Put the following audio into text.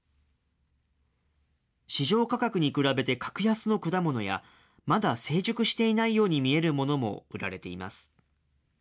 市場価格に比べて格安の果物や、まだ成熟していないように見えるものも売られています。